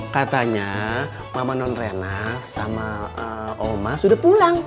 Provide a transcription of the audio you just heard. katanya mama non rena sama oma sudah pulang